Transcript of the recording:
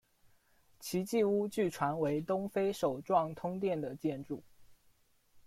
奇迹屋据传为东非首幢通电的建筑。